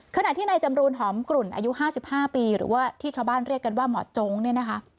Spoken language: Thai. ขณะที่นายจำรูนหอมกลุ่นอายุ๕๕ปีหรือว่าที่ชาวบ้านเรียกกันว่าหมอจงเนี่ยนะคะ